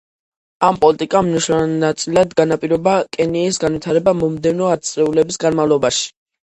ამ პოლიტიკამ მნიშვნელოვანწილად განაპირობა კენიის განვითარება მომდევნო ათწლეულების განმავლობაში.